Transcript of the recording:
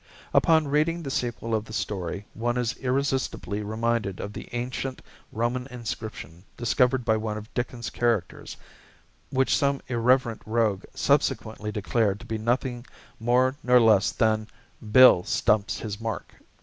Upon reading the sequel of the story, one is irresistibly reminded of the ancient Roman inscription discovered by one of Dickens' characters, which some irreverent rogue subsequently declared to be nothing more nor less than "Bil Stumps His Mark."